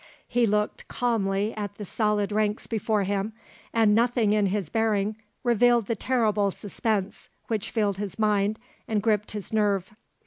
He looked calmly at the solid ranks before him, and nothing in his bearing revealed the terrible suspense which filled his mind and gripped his nerve.